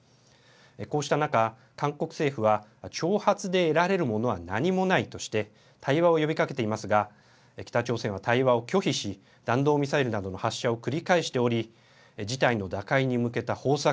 こうした中、韓国政府は挑発で得られるものは何もないとして対話を呼びかけていますが北朝鮮は対話を拒否し弾道ミサイルなどの発射を繰り返しており事態の打開に向けた方策